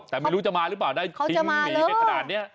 แต่ไม่รู้จะมาหรือเปล่าได้ทิ้งหนีไปขนาดนี้